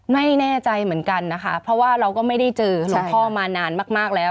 ไม่แน่ใจเหมือนกันนะคะเพราะว่าเราก็ไม่ได้เจอหลวงพ่อมานานมากแล้ว